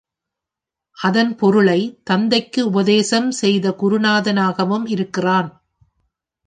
அதன் பொருளைத் தந்தைக்கு உபதேசம் செய்த குருநாதனாகவும் இருக்கிறான்.